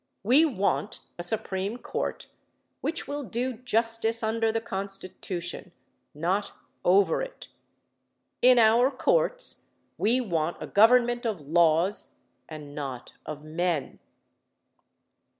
We want a Supreme Court which will do justice under the Constitution not over it. In our courts we want a government of laws and not of men.